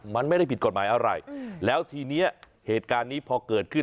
มันไม่ได้ผิดกฎหมายอะไรแล้วทีนี้เหตุการณ์นี้พอเกิดขึ้น